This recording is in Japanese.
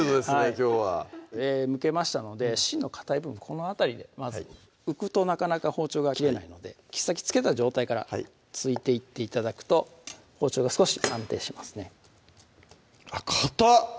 きょうはむけましたので芯のかたい部分この辺りでまず浮くとなかなか包丁が切れないので切っ先付けた状態から突いていって頂くと包丁が少し安定しますねあっかたっ！